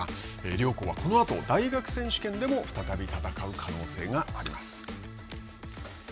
両校はこのあと大学選手権でも再び戦う可能性があります。